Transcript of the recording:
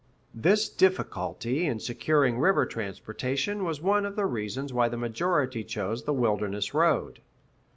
[C] This difficulty in securing river transportation was one of the reasons why the majority chose the Wilderness Road.